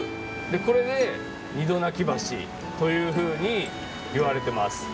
これで二度泣き橋というふうにいわれてます。